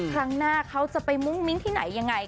ครั้งหน้าเขาจะไปมุ่งมิ้งอย่างไร